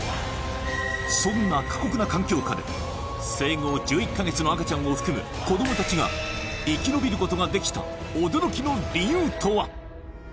そんな過酷な環境下で生後１１か月の赤ちゃんを含む子ども達が生き延びることができた驚きの理由とは？